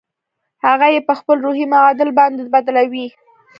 هغه يې په خپل روحي معادل باندې بدلوي.